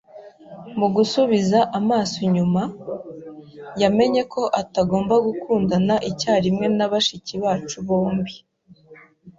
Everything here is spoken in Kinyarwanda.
Mu gusubiza amaso inyuma, yamenye ko atagomba gukundana icyarimwe na bashiki bacu bombi.